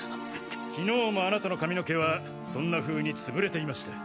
昨日もあなたの髪の毛はそんなふうにつぶれていました。